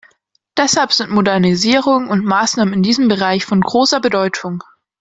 Deshalb sind Modernisierung und Maßnahmen in diesem Bereich von großer Bedeutung.